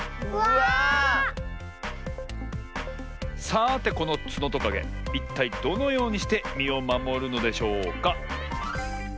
さてこのツノトカゲいったいどのようにしてみをまもるのでしょうか？